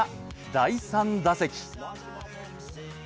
第３打席。